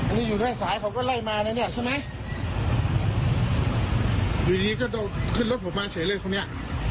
อันนี้อยู่ด้วยสายเขาก็ไล่มาเลยเนี้ยใช่ไหมดีดีก็โดดขึ้นรถผมมาเศรษฐ์เลยของเนี้ย